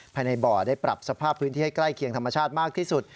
ภายในบ่อได้ปรับสภาพพื้นที่ให้ใกล้เคียงธรรมชาติมากที่สุด